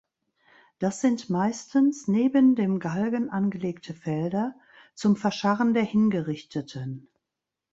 Das sind meistens neben dem Galgen angelegte Felder zum Verscharren der Hingerichteten.